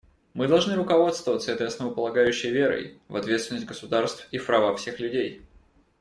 Мы должны руководствоваться этой основополагающей верой, — в ответственность государств и в права всех людей.